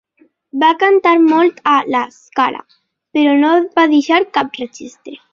Va cantar molt a La Scala però no va deixar cap registre.